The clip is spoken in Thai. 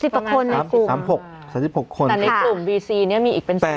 ประมาณเป็น